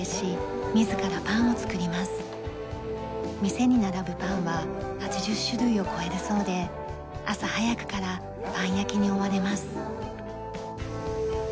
店に並ぶパンは８０種類を超えるそうで朝早くからパン焼きに追われます。